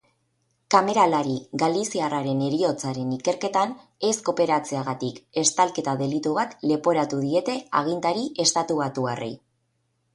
Kameralari galiziarraren heriotzaren ikerketan ez kooperatzeagatik estalketa delitu bat leporatu diete agintari estatubatuarrei.